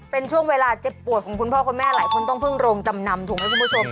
เป็นช่วงเวลาเจ็บปวดของคุณพ่อคุณแม่หลายคนต้องพึ่งโรงจำนำถูกไหมคุณผู้ชม